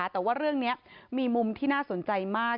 แต่ว่าเรื่องนี้มีมุมที่น่าสนใจมาก